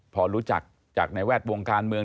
พอรู้จักจากในแวดวงการเมือง